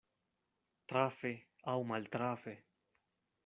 Trafe aŭ maltrafe.